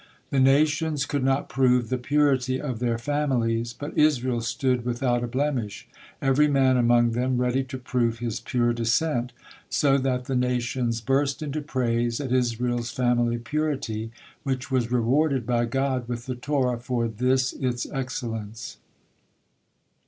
The nations could not prove the purity of their families, but Israel stood without a blemish, every man among them ready to prove his pure descent, so that the nations burst into praise at Israel's family purity, which was rewarded by God with the Torah for this its excellence.